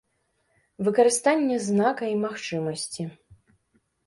Выкарыстанне знака і магчымасці.